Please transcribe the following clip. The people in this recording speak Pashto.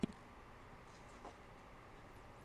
د ده په شعر کې د ساده چاپیریال عکاسي شوې.